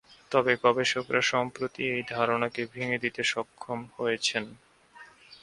তবে গবেষকরা সম্প্রতি এই ধারণাকে ভেঙে দিতে সক্ষম হয়েছেন।